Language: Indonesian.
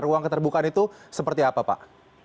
ruang keterbukaan itu seperti apa pak